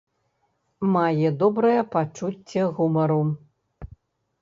Мае добрае пачуцце гумару.